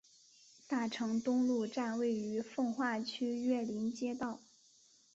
大成东路站位于奉化区岳林街道。